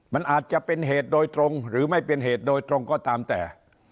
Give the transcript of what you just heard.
มันอาจจะเป็นเหตุโดยตรงหรือไม่เป็นเหตุโดยตรงก็ตามแต่